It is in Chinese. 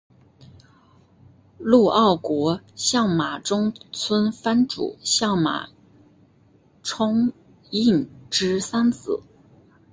陆奥国相马中村藩主相马充胤之三子。